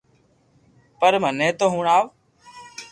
پر مني تو ھڻاو